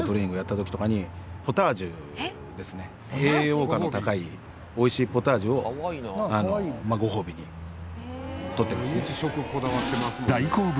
栄養価の高い美味しいポタージュをごほうびにとってますね。